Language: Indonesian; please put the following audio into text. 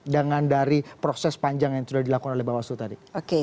dengan dari proses panjang yang sudah dilakukan oleh bawaslu tadi